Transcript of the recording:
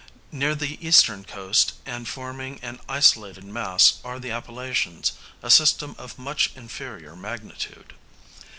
Near the eastern coast, and forming an isolated mass, are the Appalachians, a system of much inferior magnitude.